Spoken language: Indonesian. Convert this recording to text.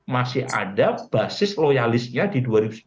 masih ada basis loyalisnya di dua ribu sembilan belas